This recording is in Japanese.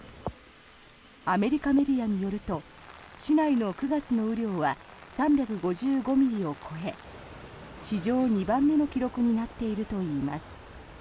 アメリカメディアによると市内の９月の雨量は３５５ミリを超え史上２番目の記録になっているといいます。